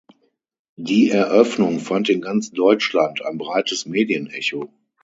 Die Eröffnung fand in ganz Deutschland ein breites Medienecho.